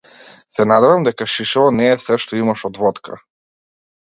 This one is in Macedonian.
Се надевам дека шишево не е сѐ што имаш од водка.